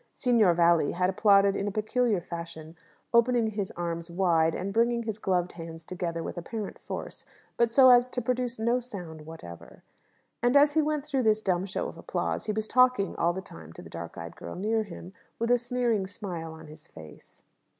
Signor Valli had applauded in a peculiar fashion opening his arms wide, and bringing his gloved hands together with apparent force, but so as to produce no sound whatever. And as he went through this dumb show of applause, he was talking all the time to the dark eyed girl near him, with a sneering smile on his face.